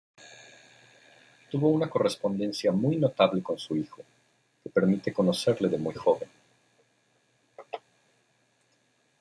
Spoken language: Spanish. Tuvo una correspondencia muy notable con su hijo, que permite conocerle de muy joven.